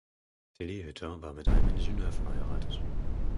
Tilly Hütter war mit einem Ingenieur verheiratet.